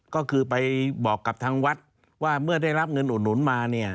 ก็คือไปบอกกับทางวัดว่าเมื่อได้รับเงินอุดหนุนมาเนี่ย